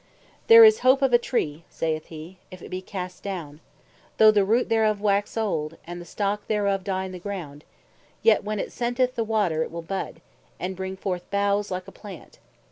"There is hope of a tree," (saith hee verse 7.) "if it be cast down, Though the root thereof wax old, and the stock thereof die in the ground, yet when it scenteth the water it will bud, and bring forth boughes like a Plant.